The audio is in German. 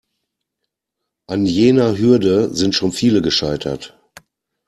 An jener Hürde sind schon viele gescheitert.